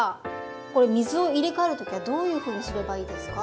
これ水を入れ替える時はどういうふうにすればいいですか？